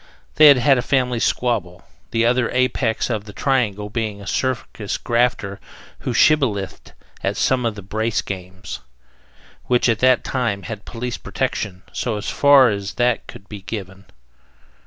They had had a family squabble, the other apex of the triangle being a circus grafter who "shibbolethed" at some of the "brace games," which at that time had police protection, so far as that could be given.